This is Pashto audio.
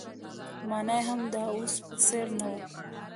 مانا يې هم د اوس په څېر نه وه.